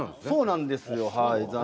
そうなんですよはい。